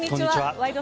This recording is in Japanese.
「ワイド！